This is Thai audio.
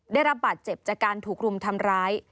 ได้รับบาดเจ็บจากการถูกรุมทำร้าย